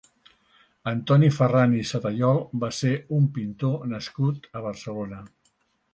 Antoni Ferran i Satayol va ser un pintor nascut a Barcelona.